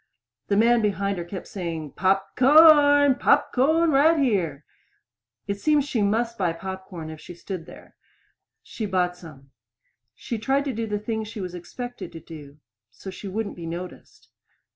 The man behind her kept saying, "Pop corn! Pop corn right here." It seemed she must buy pop corn if she stood there. She bought some. She tried to do the thing she was expected to do so she wouldn't be noticed.